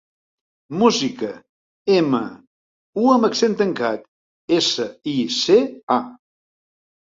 Música: ema, u amb accent tancat, essa, i, ce, a.